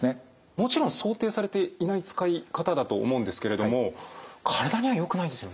もちろん想定されていない使い方だと思うんですけれども体にはよくないですよね？